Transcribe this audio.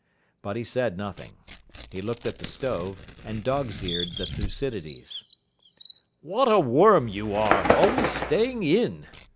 But he said nothing. He looked at the stove, and dog's eared the Thucydides. "What a worm you are, always staying in!"